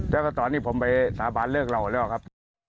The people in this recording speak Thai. แล้วก็ตอนนี้ผมไปสาบานเลิกเราแล้วครับ